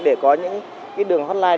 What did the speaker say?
để có những đường hotline